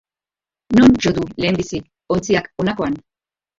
Non jo du lehenbizi ontziak honakoan?